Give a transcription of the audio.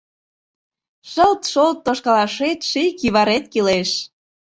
Шылт-шолт тошкалашет Ший кӱварет кӱлеш.